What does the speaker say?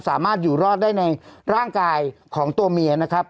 สามารถอยู่รอดได้ในร่างกายของตัวเมียนะครับ